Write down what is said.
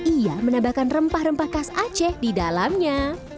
ia menambahkan rempah rempah khas aceh di dalamnya